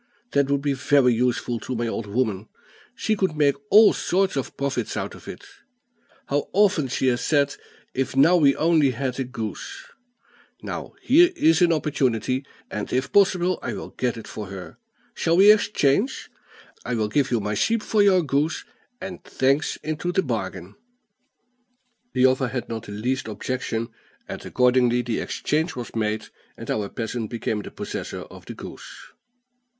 That would be very useful to my old woman; she could make all sorts of profits out of it. How often she has said, 'If now we only had a goose!' Now here is an opportunity, and, if possible, I will get it for her. Shall we exchange? I will give you my sheep for your goose, and thanks into the bargain." The other had not the least objection, and accordingly the exchange was made, and our peasant became possessor of the goose.